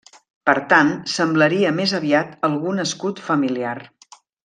Per tant, semblaria més aviat algun escut familiar.